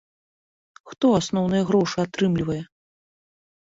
Хто асноўныя грошы атрымлівае?